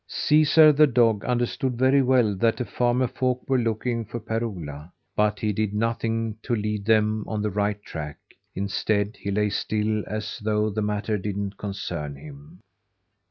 Caesar, the dog, understood very well that the farmer folk were looking for Per Ola, but he did nothing to lead them on the right track; instead, he lay still as though the matter didn't concern him.